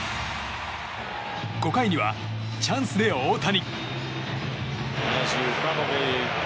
５回には、チャンスで大谷。